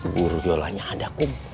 guru jualannya ada kum